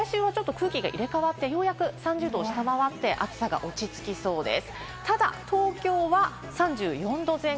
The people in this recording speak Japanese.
なので、来週はちょっと空気が入れ替わって、ようやく３０度を下回って暑さが落ち着きそうです。